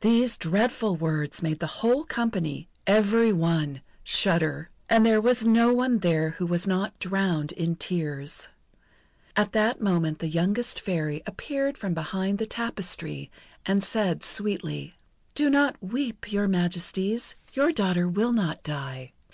These dreadful words made the whole company every one shudder; and there was no one there who was not drowned in tears. At that moment the youngest Fairy appeared from behind the tapestry, and said sweetly: "Do not weep, Your Majesties, your daughter will not die.